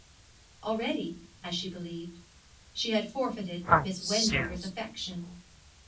Already, as she believed, she had forfeited Miss Wendover's affection.